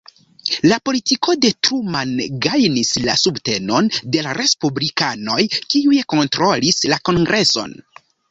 La politiko de Truman gajnis la subtenon de la respublikanoj kiuj kontrolis la kongreson.